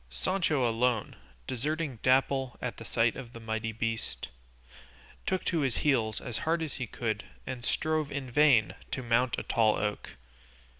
Sancho alone, deserting Dapple at the sight of the mighty beast, took to his heels as hard as he could and strove in vain to mount a tall oak.